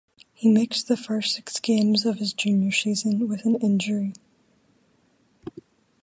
He missed the first six games of his junior season with an injury.